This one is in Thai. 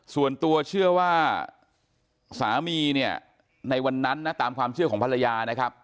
ส่วนตัวเชื่อว่าสามีเนี่ยในวันนั้นนะตามความเชื่อของภรรยานะครับ